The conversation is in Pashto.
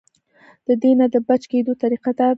د دې نه د بچ کېدو طريقه دا ده -